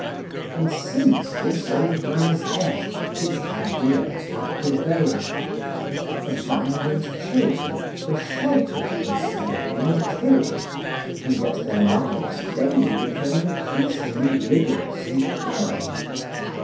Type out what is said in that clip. And since this old man's death, his ideas had prevailed. Abandoned children were sheltered instead of being killed and yet their lives daily became increasingly rigorous and barren!